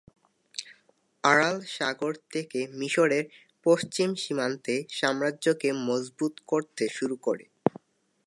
Aral সাগর থেকে মিশরের পশ্চিম সীমান্তে সাম্রাজ্যকে মজবুত করতে শুরু করে।